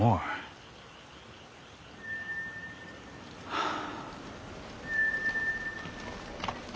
はあ。